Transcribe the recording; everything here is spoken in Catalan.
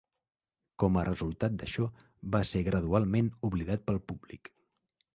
Com a resultat d'això, va ser gradualment oblidat pel públic.